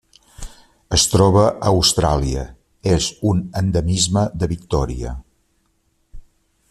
Es troba a Austràlia: és un endemisme de Victòria.